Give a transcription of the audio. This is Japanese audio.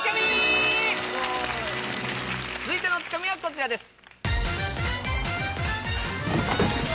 続いてのツカミはこちらです。